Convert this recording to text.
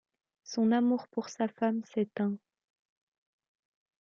Son amour pour sa femme s'éteint.